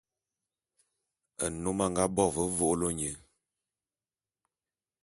Nnôm a nga bo ve vô'ôlô nye.